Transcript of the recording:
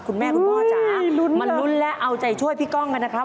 คุณพ่อจ๋ามาลุ้นและเอาใจช่วยพี่ก้องกันนะครับ